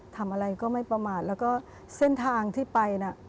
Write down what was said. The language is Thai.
ทำอะไรก็ไม่ประมาทแล้วก็เส้นทางที่ไปน่ะ